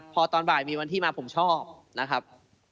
พอตอนบ่ายมีวันที่มาผมชอบนะครับ